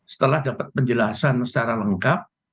setelah dapat penjelasan secara lengkap